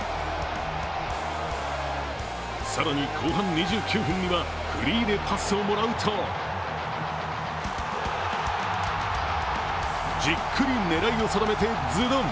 更に後半２９分にはフリーでパスをもらうとじっくり狙いを定めてズドン！